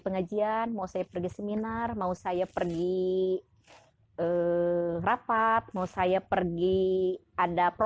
lingkungannya cibiran hingga perlakuan kasar sering didapatkan namun air mata